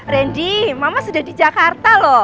randy mama sudah di jakarta loh